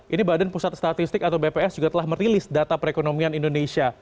ini badan pusat statistik atau bps juga telah merilis data perekonomian indonesia